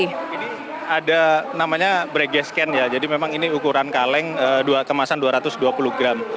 ini ada namanya break gas can ya jadi memang ini ukuran kaleng kemasan dua ratus dua puluh gram